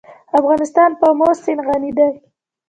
افغانستان په آمو سیند غني دی.